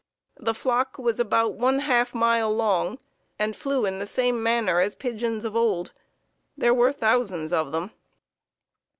The flock was about one half mile long and flew in the same manner as pigeons of old. There were thousands of them.